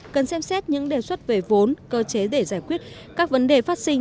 cần xem xét những đề xuất về vốn cơ chế để giải quyết các vấn đề phát sinh